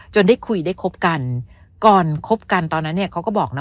ได้คุยได้คบกันก่อนคบกันตอนนั้นเนี่ยเขาก็บอกนะ